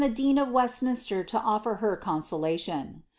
4ean of Westminster to offer her consolation.